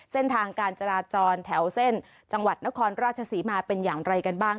เส้นทางการจราจรแถวเส้นจังหวัดนครราชศรีมาเป็นอย่างไรกันบ้าง